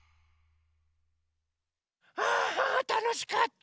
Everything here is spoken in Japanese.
あたのしかった！